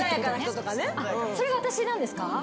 それが私なんですか？